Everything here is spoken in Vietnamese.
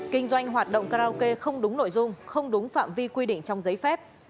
kinh doanh hoạt động karaoke không đúng nội dung không đúng phạm vi quy định trong giấy phép